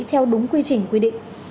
theo đúng quy trình quy định